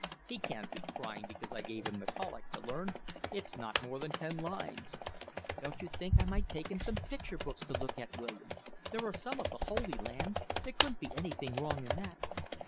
"He can't be crying because I gave him the collect to learn. It's not more than ten lines." "Don't you think I might take him some picture books to look at, William? There are some of the Holy Land. There couldn't be anything wrong in that."